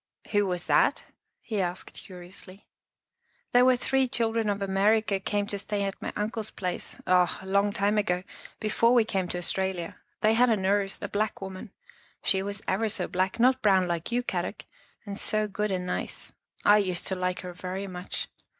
" Who was that?" he asked curiously. " There were three children of America came to stay at my uncle's place, oh, a long time ago before we came to Australia. They had a nurse, a black woman. She was ever so black, not brown like you, Kadok, and so good and nice. I used to like her very much.